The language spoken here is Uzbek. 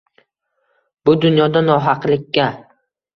Bu dunyoda nohaqlikka